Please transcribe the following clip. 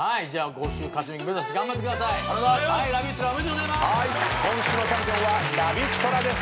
今週のチャンピオンはラビットラでした。